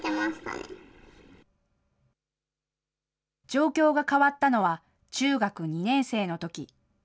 状況が変わったのは、中学２年生のとき。